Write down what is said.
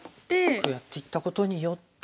こうやっていったことによって。